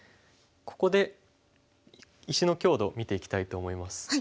ここで石の強度を見ていきたいと思います。